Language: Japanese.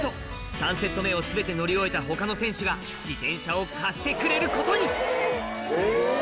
３セット目を全て乗り終えた他の選手が自転車を貸してくれることにえ！